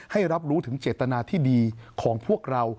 รับรู้ถึงเจตนาที่ดีของพวกเรา